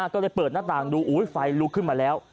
ก็เลยเปิดหน้าต่างดูไฟลุกขึ้นมาแล้ว